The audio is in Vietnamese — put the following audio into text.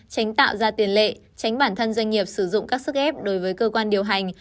tránh tạo ra tiền lệ tránh bản thân doanh nghiệp sử dụng các sức ép đối với cơ quan điều hành